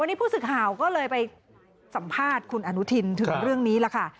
วันนี้ผู้สื่อข่าวก็เลยไปสัมภาษณ์คุณอนุทินถึงเรื่องนี้ล่ะค่ะ